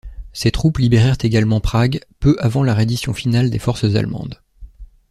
Ses troupes libérèrent également Prague peu avant la reddition finale des forces allemandes.